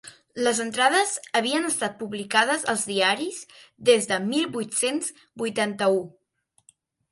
Les entrades havien estat publicades als diaris des de mil vuit-cents vuitanta-u.